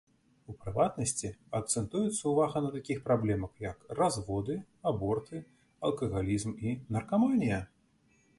У прыватнасці, акцэнтуецца ўвага на такіх праблемах як разводы, аборты, алкагалізм і наркаманія.